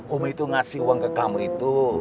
umi itu ngasih uang ke kamu itu